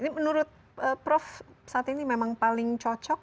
ini menurut prof saat ini memang paling cocok